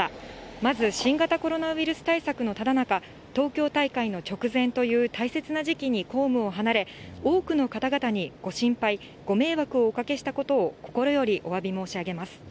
まず、新型コロナウイルス対策のただ中、東京大会の直前という大切な時期に公務を離れ、多くの方々にご心配、ご迷惑をおかけしたことを、心よりおわび申し上げます。